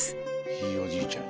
ひいおじいちゃん。